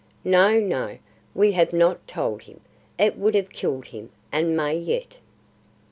"No, no, we have not told him. It would have killed him and may yet."